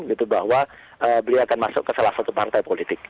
gitu bahwa beliau akan masuk ke salah satu partai politik